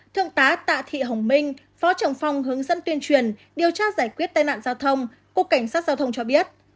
thương tá tạ thị hồng minh phó trưởng phòng hướng dẫn tuyên truyền điều tra giải quyết tai nạn giao thông cục cảnh sát giao thông cho biết